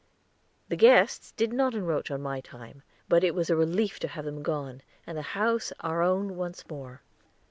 The guests did not encroach on my time, but it was a relief to have them gone and the house our own once more.